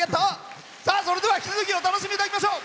それでは引き続きお楽しみいただきましょう。